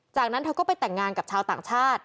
จากนั้นเธอก็ไปแต่งงานกับชาวต่างชาติ